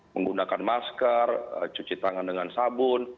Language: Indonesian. menggunakan masker cuci tangan dengan sabun